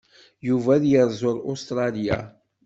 Yuba ad yerzu ar Ustṛalya.